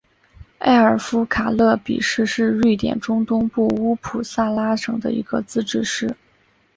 艾尔夫卡勒比市是瑞典中东部乌普萨拉省的一个自治市。